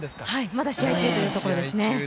まだ試合中というところですね。